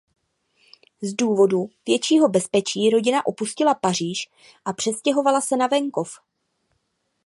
Z důvodu většího bezpečí rodina opustila Paříž a přestěhovala se na venkov.